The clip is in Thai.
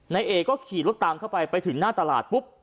นายเอก็ขี่รถตามเข้าไปไปถึงหน้าตลาดปุ๊บ